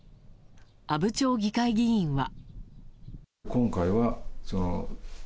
阿武町議会議員は。